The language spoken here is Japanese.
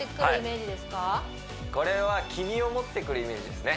これは「Ｋｉ・ｍｉ」を持ってくるイメージですね